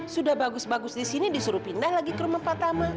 sudah bagus bagus di sini disuruh pindah lagi ke rumah patama